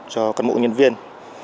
cho cân bộ nhân viên